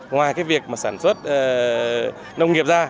ngoài việc sản xuất nông nghiệp ra